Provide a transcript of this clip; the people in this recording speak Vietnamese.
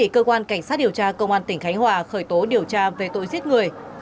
cảnh sát điều tra công an tỉnh khánh hòa khởi tố điều tra về tội giết người